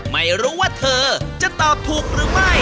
ไม่รู้ว่าเธอจะตอบถูกหรือไม่